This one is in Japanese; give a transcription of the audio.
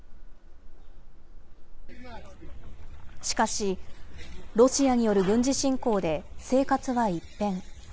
しかし、ロシアによる軍事侵攻で生活は一変。